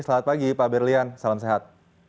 selamat pagi pak berlian salam sehat